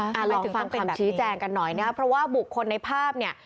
อะไรถึงฟังคำชี้แจงกันหน่อยนะครับเพราะว่าบุคคลในภาพเนี่ย